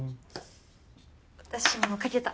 私も書けた。